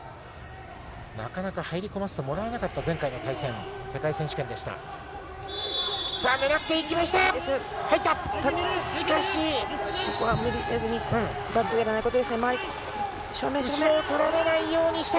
なかなか入り込ませてもらえなかった前回の対戦、世界選手権でした。